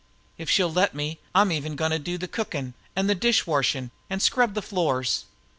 If she'll let me, I'm even goin' to do the cookin' an' the dish washing and scrub the floors!